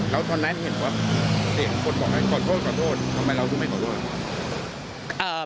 แล้วตอนนั้นเห็นว่าเสียงคนบอกให้ขอโทษขอโทษทำไมเราถึงไม่ขอโทษ